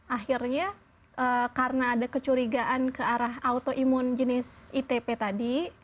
akhirnya karena ada kecurigaan ke arah autoimun jenis itp tadi